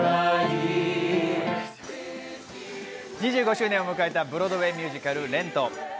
２５周年を迎えたブロードウェーミュージカル『ＲＥＮＴ』。